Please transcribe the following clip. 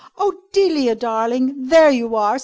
Oh, Delia, darling! There you are!